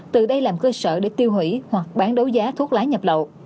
từ đây làm cơ sở để tiêu hủy hoặc bán đấu giá thuốc lá nhập lậu